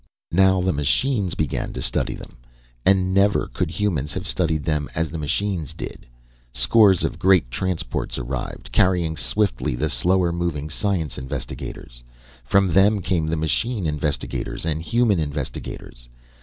Now the machines began to study them. And never could humans have studied them as the machines did. Scores of great transports arrived, carrying swiftly the slower moving science investigators. From them came the machine investigators, and human investigators.